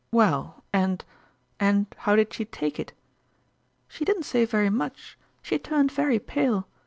Well, and and how did she take it ?"" She didn't say very much ; she turned very pale.